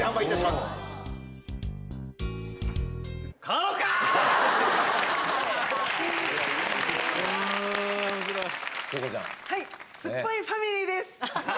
すっぱいファミリーです。